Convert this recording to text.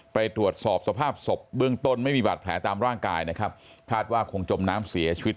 ไปตรวจสอบสภาพศพเบื้องต้นไม่มีบาดแผลตามร่างกายนะครับคาดว่าคงจมน้ำเสียชีวิต